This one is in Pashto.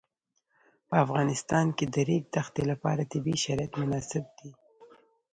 په افغانستان کې د د ریګ دښتې لپاره طبیعي شرایط مناسب دي.